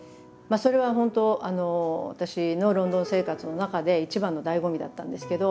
それは本当あの私のロンドン生活の中で一番のだいご味だったんですけど。